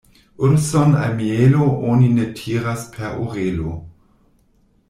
Urson al mielo oni ne tiras per orelo.